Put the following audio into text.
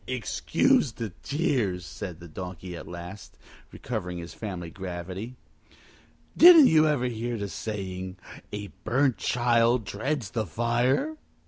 "Excuse these tears," the Donkey said at last, recovering his family gravity. "Didn't you ever hear the saying, A burnt child dreads the fire?"